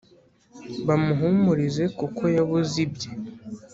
Bamuhumurize kuko yabuze ibye